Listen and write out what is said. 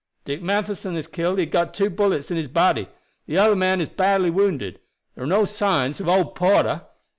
"Dick Matheson is killed; he got two bullets in his body. The other man is badly wounded. There are no signs of old Porter."